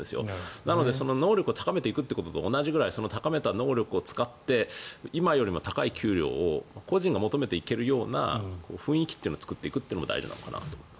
だから、能力を高めていくことと同じぐらいその高めた能力を使って今よりも高い給料を個人が求めていけるような雰囲気というのを作っていくのも大事かなと思います。